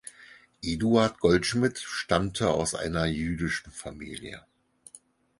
Eduard Goldschmidt stammte aus einer jüdischen Familie.